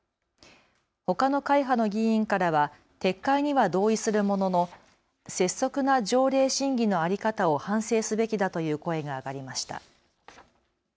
ほかの会派の議員からは撤回には同意するものの拙速な条例審議の在り方を反省すべきだという声が上がりました。